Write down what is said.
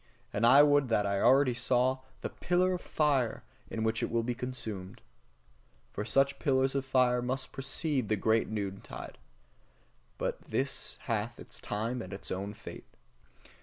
And I would that I already saw the pillar of fire in which it will be consumed! For such pillars of fire must precede the great noontide. But this hath its time and its own fate.